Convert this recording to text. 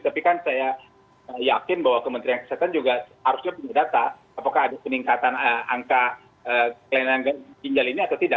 tapi kan saya yakin bahwa kementerian kesehatan juga harusnya punya data apakah ada peningkatan angka kelainan ginjal ini atau tidak